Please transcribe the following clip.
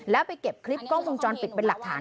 แล้วไปเก็บคลิปกล้องวงจรปิดเป็นหลักฐาน